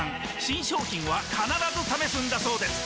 新商品は必ず試すんだそうです